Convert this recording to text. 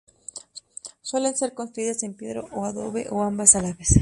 Suelen ser construidas en piedra o adobe o ambas a la vez.